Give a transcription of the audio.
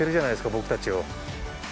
僕たちを。